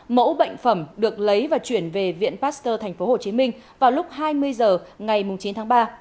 mẫu bệnh phẩm được lấy và chuyển về viện pasteur tp hcm vào lúc hai mươi h ngày chín tháng ba